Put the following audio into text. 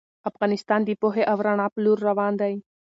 افغانستان د پوهې او رڼا په لور روان دی.